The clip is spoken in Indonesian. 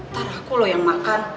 ntar aku lo yang makan